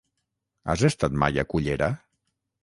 Has estat mai a Cullera?